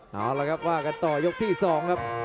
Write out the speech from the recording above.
เอาละครับว่ากันต่อยกที่๒ครับ